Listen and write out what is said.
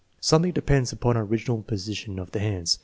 Something depends upon original position of the hands.